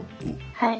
はい。